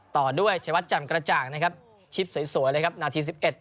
ต่อด้วยชัยวัดจำกระจ่างนะครับชิปสวยเลยครับนาที๑๑